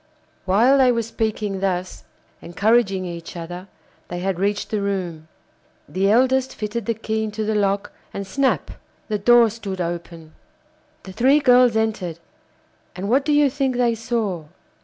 While they were speaking thus, encouraging each other, they had reached the room; the eldest fitted the key into the lock, and snap! the door stood open. The three girls entered, and what do you think they saw?